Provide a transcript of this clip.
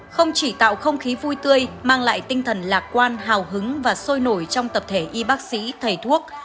không chỉ tạo không khí vui tươi mang lại tinh thần lạc quan hào hứng và sôi nổi trong tập thể y bác sĩ thầy thuốc